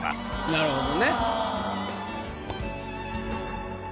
なるほどね。